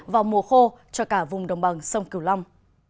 vào mùa khô cho cả vùng đồng bằng sông kiều lâm